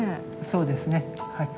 そうですねはい。